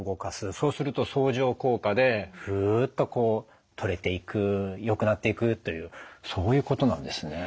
そうすると相乗効果でフッとこう取れていくよくなっていくというそういうことなんですね。